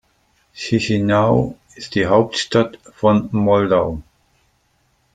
Chișinău ist die Hauptstadt von Moldau.